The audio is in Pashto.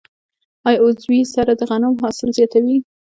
آیا عضوي سره د غنمو حاصل زیاتوي؟